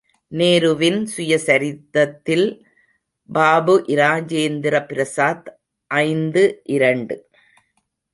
நேருவின் சுயசரிதத்தில் பாபு இராஜேந்திர பிரசாத் ஐந்து இரண்டு.